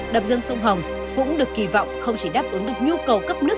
đập dâng sông hồng cũng được kỳ vọng không chỉ đáp ứng được nhu cầu cấp nước